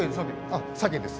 あっサケです。